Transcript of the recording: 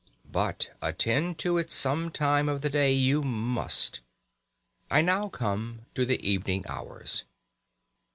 But attend to it at some time of the day you must. I now come to the evening hours.